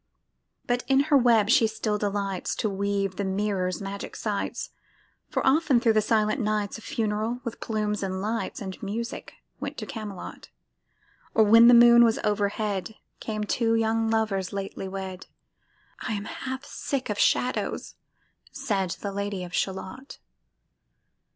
But in her web she still delights To weave the mirror's magic sights, For often thro' the silent nights A funeral, with plumes and lights And music, went to Camelot: Or when the moon was overhead, Came two young lovers lately wed; "I am half sick of shadows," said The Lady of Shalott.